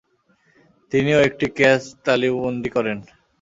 তিনি ও একটি ক্যাচ তালুবন্দী করেন।